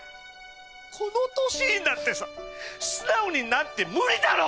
この年になってさ素直になんて無理だろ！